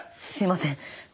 すいません。